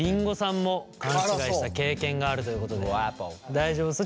大丈夫そう？